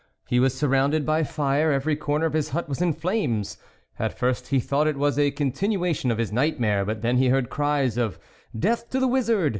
He was surrounded by fire, every corner of his hut was in flames ; at first he thought it was a continuation of his nightmare, but then he heard cries of, " Death to the wizard